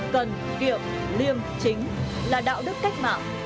cần kiệm liêm chính là đạo đức cách mạng